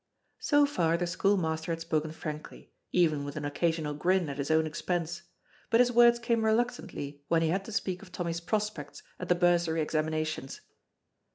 So far the school master had spoken frankly, even with an occasional grin at his own expense, but his words came reluctantly when he had to speak of Tommy's prospects at the bursary examinations.